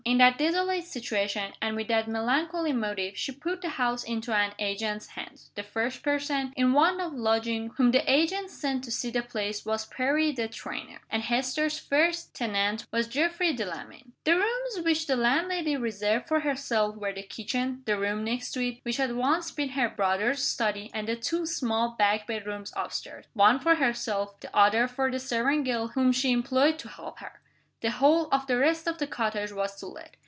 In that desolate situation, and with that melancholy motive, she put the house into an agent's hands. The first person in want of lodgings whom the agent sent to see the place was Perry the trainer; and Hester's first tenant was Geoffrey Delamayn. The rooms which the landlady reserved for herself were the kitchen, the room next to it, which had once been her brother's "study," and the two small back bedrooms up stairs one for herself, the other for the servant girl whom she employed to help her. The whole of the rest of the cottage was to let.